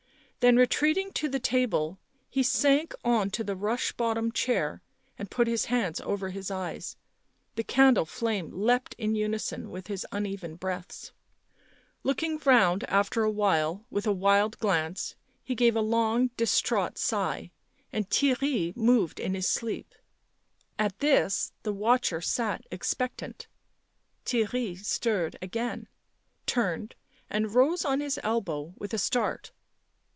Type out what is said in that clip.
Then retreating to the table he sank on to the rush bottom chair, and put his hands over his eyes ; the candle flame leapt in unison with his uneven breaths. Looking round, after a while, with a wild glance, he gave a long, distraught sigh, and Theirry moved in his sleep. At this the v T atcher sat expectant. Theirry stirred again, turned, and rose on his elbow with a start.